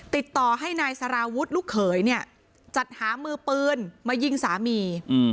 ติดต่อให้นายสารวุฒิลูกเขยเนี่ยจัดหามือปืนมายิงสามี